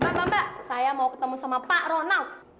mbak mbak mbak saya mau ketemu sama pak ronald